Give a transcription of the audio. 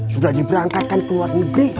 sudah diberangkatkan ke luar negeri